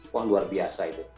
wah luar biasa itu